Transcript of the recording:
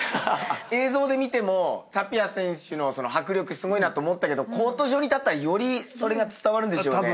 映像で見てもタピア選手の迫力すごいなって思ったけどコート上に立ったらよりそれが伝わるんでしょうね。